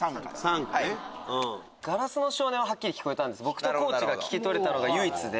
僕と地が聞き取れたのが唯一で。